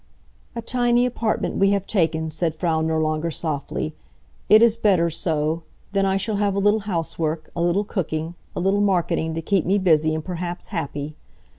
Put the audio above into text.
"A tiny apartment we have taken," said Frau Nirlanger, softly. "It is better so. Then I shall have a little housework, a little cooking, a little marketing to keep me busy and perhaps happy."